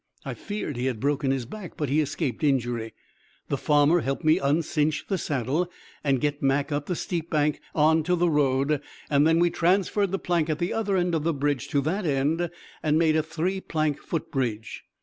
I feared he had broken his back, but he escaped injury. The farmer helped me uncinch the saddle and get Mac up the steep bank on to the road; then we transferred the plank at the other end of the bridge to that end and made a three plank foot bridge.